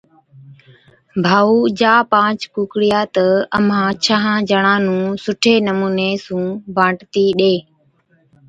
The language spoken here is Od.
ڀائُو، جا پانچ ڪُوڪڙِيا تہ امهان ڇهان جڻان نُون سُٺي نمُوني سُون بانٽتِي ڏي۔